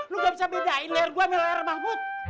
lo gak bisa bedain leher gue sama leher bangkut